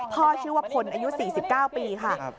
ชื่อว่าพลอายุ๔๙ปีค่ะ